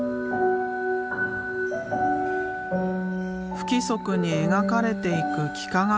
不規則に描かれていく幾何学